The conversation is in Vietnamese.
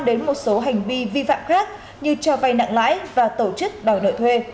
đến một số hành vi vi phạm khác như trò vay nặng lái và tổ chức bảo nợ thuê